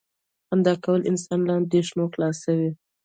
• خندا کول انسان له اندېښنو خلاصوي.